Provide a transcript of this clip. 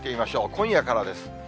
今夜からです。